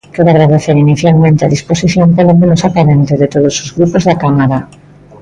Quero agradecer inicialmente a disposición, polo menos aparente, de todos os grupos da Cámara.